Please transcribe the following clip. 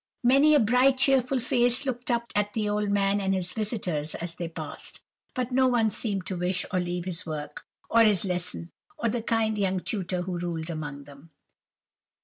Many a bright, cheerful face looked up at the old man and his visitors as they passed, but no one seemed to wish to leave his work, or his lesson, or the kind young tutor who ruled among them.